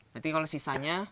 berarti kalau sisanya